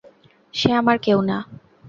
সে আমার কেউ না।